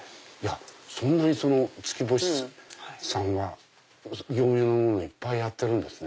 そんなに月星さんは業務用のものをいっぱいやってるんですね。